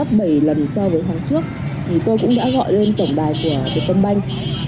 thì tôi cũng đã gọi lên tổng đài của việt con bành